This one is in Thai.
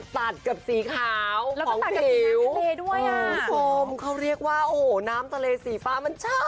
ตัดกับสีขาวของเก๋ด้วยอ่ะคุณผู้ชมเขาเรียกว่าโอ้โหน้ำทะเลสีฟ้ามันชัด